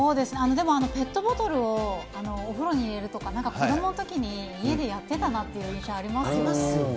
でもペットボトルをお風呂に入れるとか、なんか子どものときに家でやってたなっていう印象ありますね。